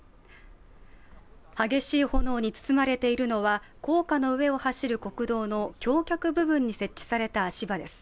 激しい炎に包まれているのは高架の上を走る国道の橋脚部分に設置された足場です。